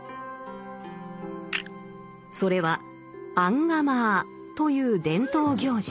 それは「アンガマア」という伝統行事。